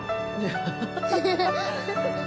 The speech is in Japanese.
ハハハハ！